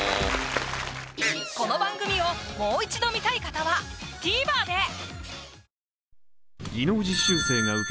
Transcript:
この番組をもう一度観たい方はＴＶｅｒで！